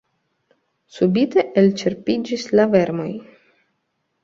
Subite elĉerpiĝis la vermoj.